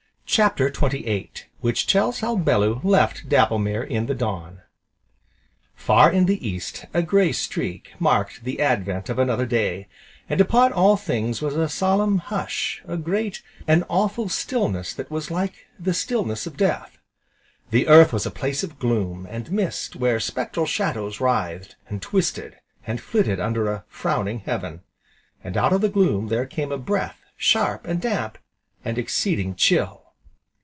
CHAPTER XXVIII Which tells how Bellew left Dapplemere in the dawn Far in the East a grey streak marked the advent of another day, and upon all things was a solemn hush, a great, and awful stillness that was like the stillness of Death. The Earth was a place of gloom, and mist, where spectral shadows writhed, and twisted, and flitted under a frowning heaven, and out of the gloom there came a breath, sharp, and damp, and exceeding chill.